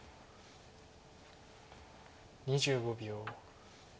２５秒。